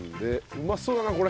うまそうだなこれ。